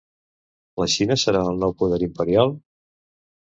La Xina serà el nou poder imperial?